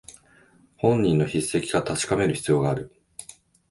本人の筆跡か確かめる必要がある